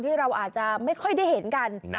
ที่เราอาจจะไม่ค่อยได้เห็นกัน